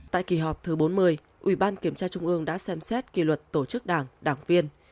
tại kỳ họp thứ bốn mươi ủy ban kiểm tra trung ương đã xem xét kỳ luật tổ chức đảng đảng viên